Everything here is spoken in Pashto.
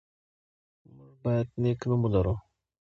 موږ باید نېک نوم ولرو.